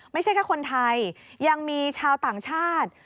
ไม่ใช่แค่คนไทยยังมีชาวต่างชาติ